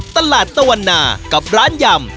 ตลาดตะวันนากับร้านยำ